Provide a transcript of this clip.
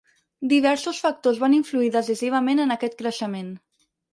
Diversos factors van influir decisivament en aquest creixement.